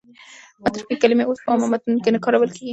متروکې کلمې اوس په عامو متنونو کې نه کارول کېږي.